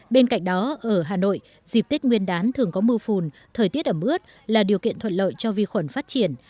bên cạnh đó ở hà nội dịp tết nguyên đán thường có mưa phùn thời tiết ẩm ướt là điều kiện thuận lợi cho vi khuẩn phát triển